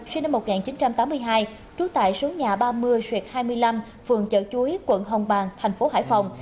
sinh năm một nghìn chín trăm tám mươi hai trú tại số nhà ba mươi xuyệt hai mươi năm phường chợ chuối quận hồng bàng thành phố hải phòng